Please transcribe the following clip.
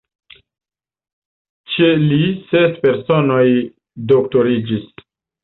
Ĉe li ses personoj doktoriĝis.